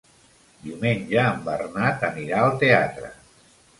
Diumenge en Bernat anirà al teatre.